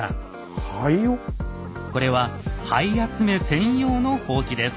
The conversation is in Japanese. これは灰集め専用のほうきです。